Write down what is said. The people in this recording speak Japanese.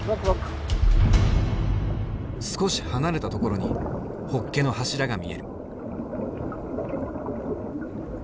少し離れたところにホッケの柱が見える。